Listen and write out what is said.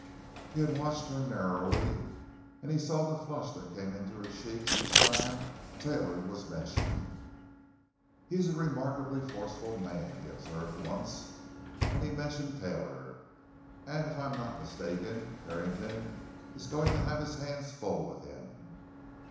He had watched her narrowly, and he saw the flush that came into her cheeks each time Taylor was mentioned. "He is a remarkably forceful man," he observed once, when he mentioned Taylor. "And if I am not mistaken, Carrington is going to have his hands full with him."